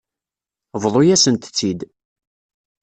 Bḍu-yasent-tt-id.